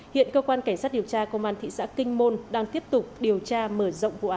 hiện cơ quan cảnh sát điều tra công an thị xã kinh môn đang tiếp tục điều trị